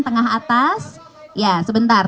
tengah atas ya sebentar